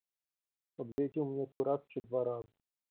"Odwiedził mnie tu raz czy dwa razy."